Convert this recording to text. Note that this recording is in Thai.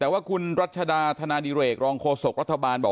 ๖วันนะครับ